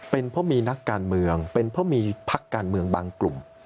เป็นเพราะมีนักการเมืองเป็นเพราะมีพักการเมืองบางกลุ่ม